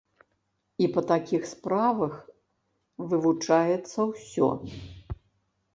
І па такіх справах вывучаецца ўсё.